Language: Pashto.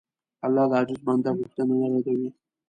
الله د عاجز بنده غوښتنه نه ردوي.